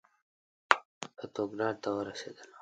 پتروګراډ ته ورسېدلم.